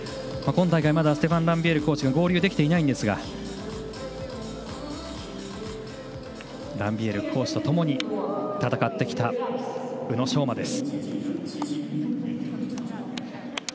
今大会はまだステファン・ランビエールコーチ合流できていないんですがランビエールコーチとともに戦ってきた宇野昌磨。